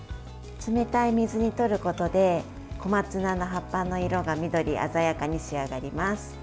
冷たい水にとることで小松菜の葉っぱの色が緑鮮やかに仕上がります。